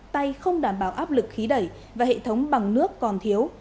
tay không đảm bảo áp lực khí đẩy và hệ thống bằng nước còn thiếu